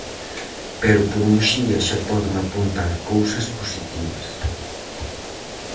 Pero por Muxía xa poden apuntar cousas positivas.